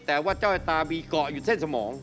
แต่ว่าจ้อยตามีเกาะอยู่เส้นสมอง